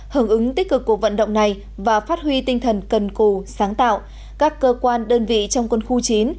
hưởng ứng tích cực cuộc vận động này và phát huy tinh thần cần cù sáng tạo các cơ quan đơn vị trong quân khu chín